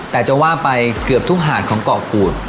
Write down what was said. แต่จะว่าไปเกือบทุกหาดของเกาะกูด